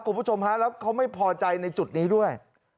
คุณผู้ชมฮะแล้วเขาไม่พอใจในจุดนี้ด้วย